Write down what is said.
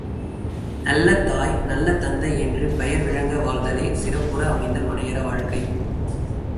நல்ல தாய், நல்ல தந்தை என்று பெயர் விளங்க வாழ்தலே சிறப்புற அமைந்த மனையற வாழ்க்கை.